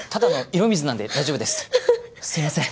すいません